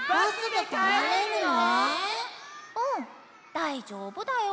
だいじょうぶだよ。